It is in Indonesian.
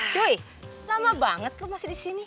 cuy lama banget lu masih di sini